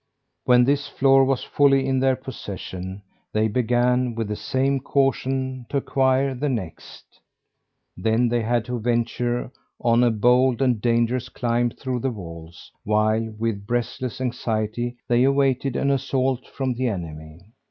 When this floor was wholly in their possession, they began, with the same caution, to acquire the next. Then they had to venture on a bold and dangerous climb through the walls, while, with breathless anxiety, they awaited an assault from the enemy.